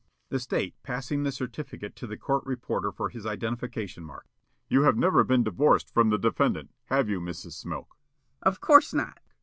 The State, passing the certificate to the court reporter for his identification mark: "You have never been divorced from the defendant, have you, Mrs. Smilk?" Mrs. Smilk: "Of course not."